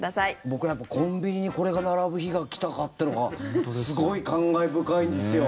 僕、やっぱりコンビニにこれが並ぶ日が来たかというのがすごい感慨深いんですよ。